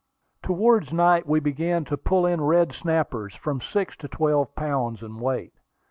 Towards night we began to pull in red snappers from six to twelve pounds in weight.